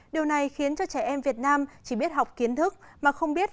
điều này khiến cho trẻ em việt nam chỉ biết học kiến thức mà không biết